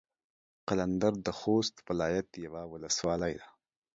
قلندر د خوست ولايت يوه ولسوالي ده.